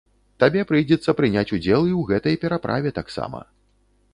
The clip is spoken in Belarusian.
Табе прыйдзецца прыняць удзел і ў гэтай пераправе таксама.